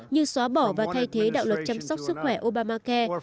như xóa bỏ và thay thế đạo luật chăm sóc sức khỏe obamacai